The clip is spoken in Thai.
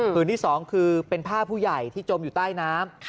ที่๒คือเป็นผ้าผู้ใหญ่ที่จมอยู่ใต้น้ำ